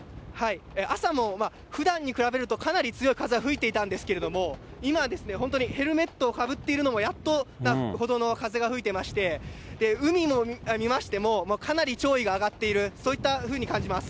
朝もふだんに比べるとかなり強い風は吹いていたんですけれども、今は本当にヘルメットをかぶっているのもやっとなほどの風が吹いていまして、海も見ましても、かなり潮位が上がっている、そういったふうに感じます。